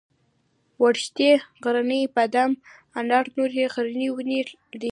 وړښتی غرنی بادام انار نورې غرنۍ ونې دي.